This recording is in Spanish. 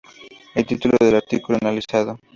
El título del artículo analizado.